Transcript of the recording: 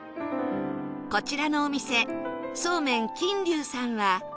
こちらのお店そうめん金龍さんは